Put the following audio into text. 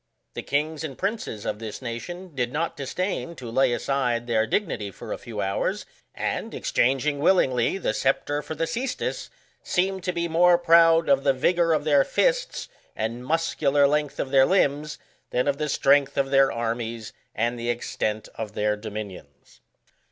The kings and princes of this nation did not disdain to lay aside their dignity for a few hours, and exchanging willingly the sceptre for the ccestus, seemed to be more proud of the vigour of their fists and muscular length of their limbs than of the strength of their armies and the extent of their dominions.